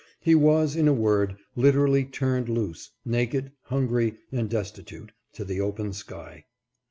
He was, in a word, literally turned loose, naked, hungry, and destitute, to the open sky.